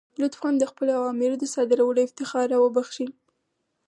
لطفا د خپلو اوامرو د صادرولو افتخار را وبخښئ.